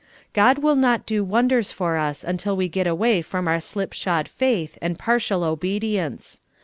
God will not do wonders for us till we get away from our slip shod faith and partial obedience.